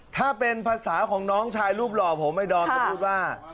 ถ้าเป็นภาษาของน้องชายรูปหล่อผมไอ้ดอมจะพูดว่า